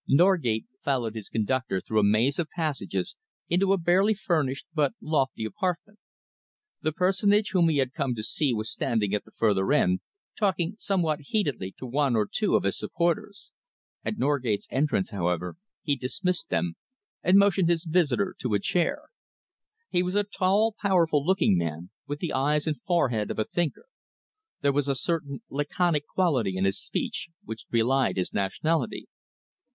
Norgate followed his conductor through a maze of passages into a barely furnished but lofty apartment. The personage whom he had come to see was standing at the further end, talking somewhat heatedly to one or two of his supporters. At Norgate's entrance, however, he dismissed them and motioned his visitor to a chair. He was a tall, powerful looking man, with the eyes and forehead of a thinker. There was a certain laconic quality in his speech which belied his nationality.